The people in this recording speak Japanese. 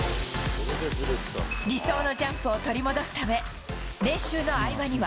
理想のジャンプを取り戻すため、練習の合間には。